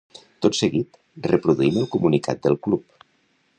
Tot seguit, reproduïm el comunicat del club.